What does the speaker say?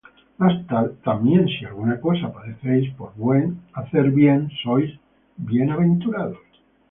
Mas también si alguna cosa padecéis por hacer bien, sois bienaventurados.